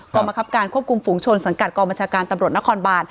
กรรมคับการควบคุมฝุงชนสังกัดกองบัญชาการตำรวจนครบาน